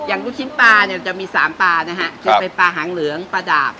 ลูกชิ้นปลาเนี่ยจะมี๓ปลานะฮะจะเป็นปลาหางเหลืองปลาดาบ